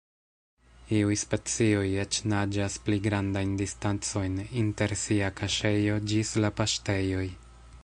Iuj specioj eĉ naĝas pli grandajn distancojn inter sia kaŝejo ĝis la "paŝtejoj".